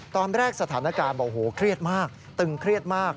ตอนแรกสถานการณ์บอกโหเครียดมากตึงเครียดมาก